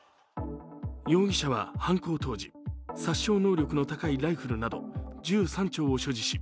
容疑者は犯行当時、殺傷能力の高いライフルなど銃３丁を所持し